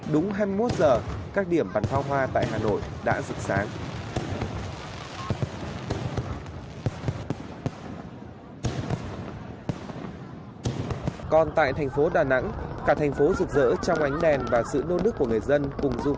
đúng hai mươi một giờ các điểm bắn pháo hoa tại hà nội đã rực sáng